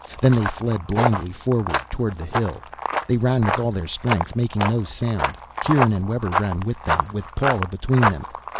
Then they fled blindly forward, toward the hill. They ran with all their strength, making no sound. Kieran and Webber ran with them, with Paula between them.